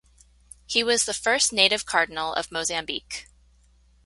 He was the first native cardinal of Mozambique.